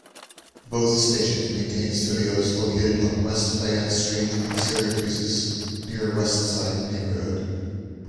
Both stations maintain studios located on West Fayette Street in Syracuse's Near Westside neighborhood.